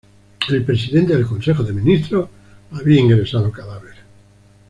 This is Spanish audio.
El presidente del Consejo de Ministros había ingresado cadáver.